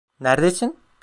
Neredesin?